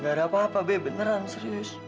gak ada apa apa b beneran serius